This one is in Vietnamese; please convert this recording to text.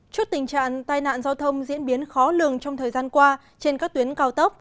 trước tình trạng tai nạn giao thông diễn biến khó lường trong thời gian qua trên các tuyến cao tốc